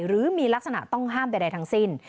หรือมีลักษณะต้องห้ามใดทั้งสิ้น